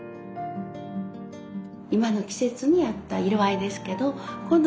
今の季節に合った色合いですけど今度